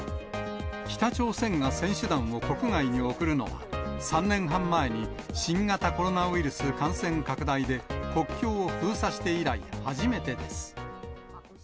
北朝鮮が選手団を国外に送るのは、３年半前に新型コロナウイルス感染拡大で国境を封鎖して以来初めてです。